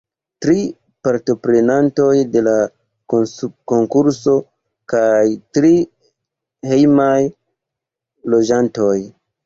Tri partoprenantoj de la konkurso kaj tri hejmaj loĝantoj.